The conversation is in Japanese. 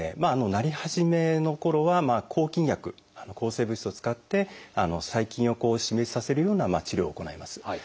なり始めのころは抗菌薬抗生物質を使って細菌を死滅させるような治療を行います。